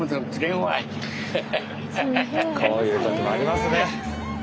こういう時もありますね。